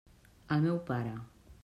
El meu pare.